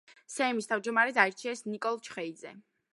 სეიმის თავმჯდომარედ აირჩიეს ნიკოლოზ ჩხეიძე.